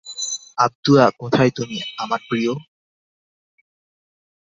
আবদুয়া কোথায় তুমি, আমার প্রিয়?